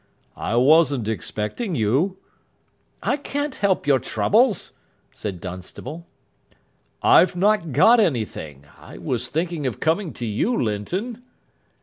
"I wasn't expecting you." "I can't help your troubles," said Dunstable. "I've not got anything. I was thinking of coming to you, Linton."